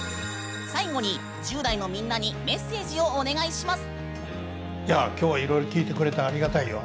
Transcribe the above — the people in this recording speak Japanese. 最後に１０代のみんなにメッセージをお願いします。